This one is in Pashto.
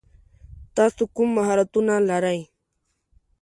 تاسو کوم مهارتونه لری ؟